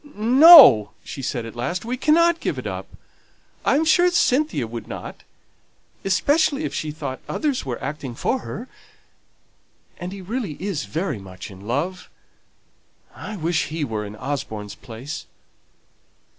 "No!" she said at last. "We cannot give it up. I am sure Cynthia would not; especially if she thought others were acting for her. And he really is very much in love. I wish he were in Osborne's place."